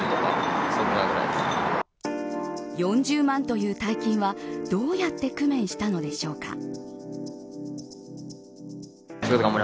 ４０万という大金はどうやって工面したのでしょうか。